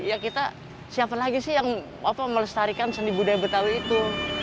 ya kita siapa lagi sih yang melestarikan seni budaya betawi itu